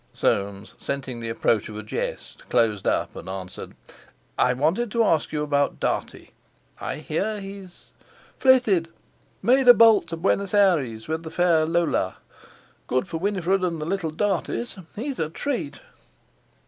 Soames, scenting the approach of a jest, closed up, and answered: "I wanted to ask you about Dartie. I hear he's...." "Flitted, made a bolt to Buenos Aires with the fair Lola. Good for Winifred and the little Darties. He's a treat."